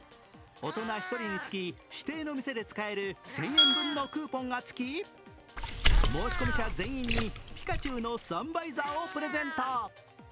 大人１人につき指定の店で使える１０００円分のクーポンがつき、申込者全員にピカチュウのサンバイザーをプレゼント。